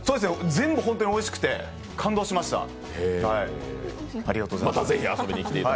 全部本当においしくて感動しました。